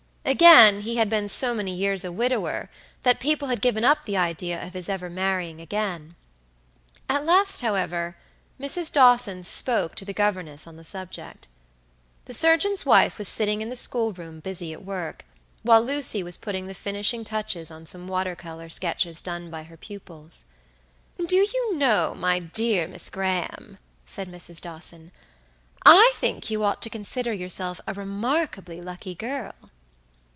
Again, he had been so many years a widower that people had given up the idea of his ever marrying again. At last, however, Mrs. Dawson spoke to the governess on the subject. The surgeon's wife was sitting in the school room busy at work, while Lucy was putting the finishing touches on some water color sketches done by her pupils. "Do you know, my dear Miss Graham," said Mrs. Dawson, "I think you ought to consider yourself a remarkably lucky girl?"